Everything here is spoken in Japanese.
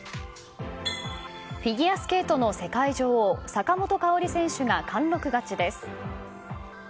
フィギュアスケートの世界女王坂本花織選手が貫録勝ちです。